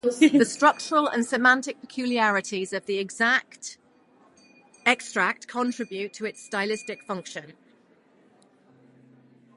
The structural and semantic peculiarities of the extract contribute to its stylistic function.